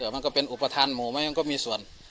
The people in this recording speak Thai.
มันก็เป็นอุปทานหมู่ไหมมันก็มีส่วน